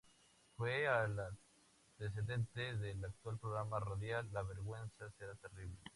Fue el antecedente del actual programa radial "La venganza será terrible".